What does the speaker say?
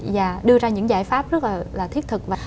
và đưa ra những giải pháp rất là thiết thực